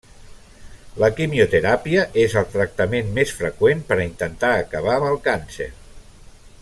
La quimioteràpia és el tractament més freqüent per intentar acabar amb el càncer.